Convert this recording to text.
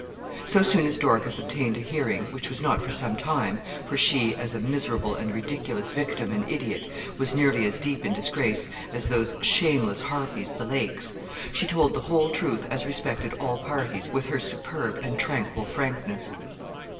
So soon as Dorcas obtained a hearing, which was not for sometime for she, 'as a miserable and ridiculous victim and idiot,' was nearly as deep in disgrace as those 'shameless harpies the Lakes' she told the whole truth as respected all parties with her superb and tranquil frankness.